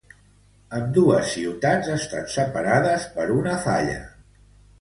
Ambdues ciutats estan separades per una falla.